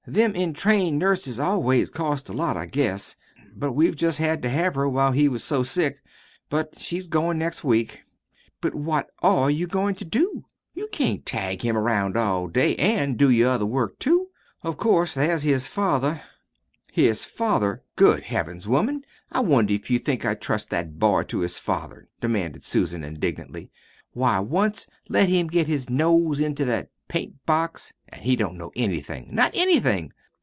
Them entrained nurses always cost a lot, I guess. But we've just had to have her while he was so sick. But she's goin' next week." "But what ARE you goin' to do? You can't tag him around all day an' do your other work, too. Of course, there's his father " "His father! Good Heavens, woman, I wonder if you think I'd trust that boy to his father?" demanded Susan indignantly. "Why, once let him get his nose into that paint box, an' he don't know anything not anything.